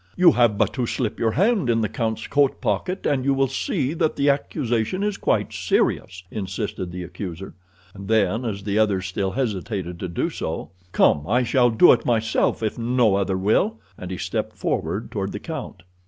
"You have but to slip your hand in the count's coat pocket and you will see that the accusation is quite serious," insisted the accuser. And then, as the others still hesitated to do so: "Come, I shall do it myself if no other will," and he stepped forward toward the count.